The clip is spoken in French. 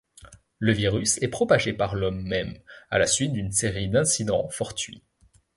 Le virus est propagé par l'Homme même, à la suite d'une série d'incidents fortuits.